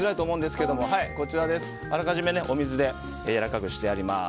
あらかじめお水でやわらかくしてあります。